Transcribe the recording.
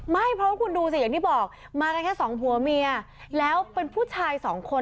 ไม่เพราะคุณดูสิอย่างที่บอกมากันแค่สองผัวเมียแล้วเป็นผู้ชายสองคน